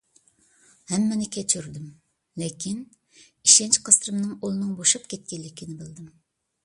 ھەممىنى كەچۈردۈم. لېكىن، ئىشەنچ قەسرىمنىڭ ئۇلىنىڭ بوشاپ كەتكەنلىكىنى بىلدىم.